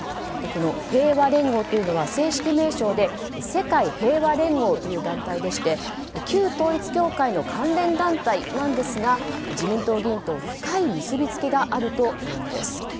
平和連合というのは正式名称で世界平和連合という団体でして旧統一教会の関連団体なんですが自民党議員と深い結びつきがあるというのです。